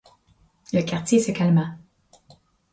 Le quartier se calma.